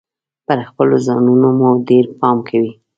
پر خپلو ځانونو مو ډیر پام کوﺉ .